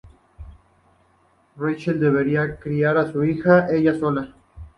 Rachel deberá criar a su hija ella sola.